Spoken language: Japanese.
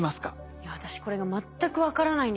いや私これが全く分からないんですよ。